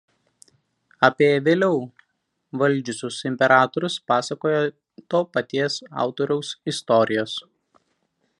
Apie vėliau valdžiusius imperatorius pasakoja to paties autoriaus „Istorijos“.